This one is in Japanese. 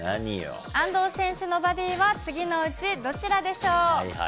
安藤選手のバディは次のうち、どちらでしょう。